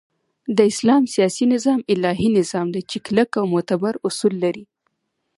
د اسلام سیاسی نظام الهی نظام دی چی کلک او معتبر اصول لری